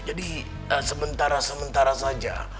jadi sementara sementara saja